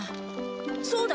そうだ！